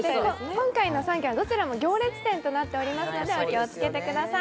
今回の３軒はどちらも行列店となっておりますので、お気をつけください。